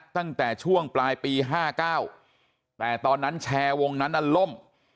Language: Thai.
ตั้งแต่ช่วงปลายปี๕๙แต่ตอนนั้นแชร์วงนั้นอันล่ม